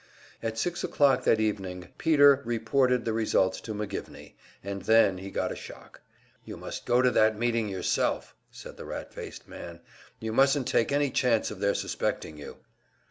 At six o'clock that evening Peter reported the results to McGivney, and then he got a shock. "You must go to that meeting yourself," said the rat faced man. "You mustn't take any chance of their suspecting you."